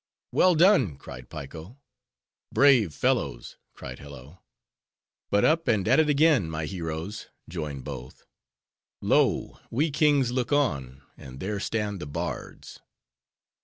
"Well done!" cried Piko. "Brave fellows!" cried Hello. "But up and at it again, my heroes!" joined both. "Lo! we kings look on, and there stand the bards!"